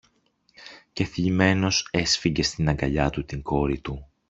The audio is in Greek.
και θλιμμένος έσφιγγε στην αγκαλιά του την κόρη του